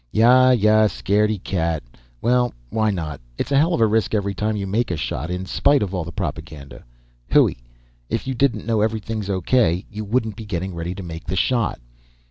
_Ya, ya, scared y cat. Well, why not? It's a helluva risk every time you make a shot, in spite of all the propaganda. Hooey; if you didn't know everything's O.K., you wouldn't be getting ready to make the shot.